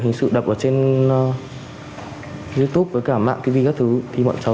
lúc đó mọi cháu thấy mọi cháu nghịch nhau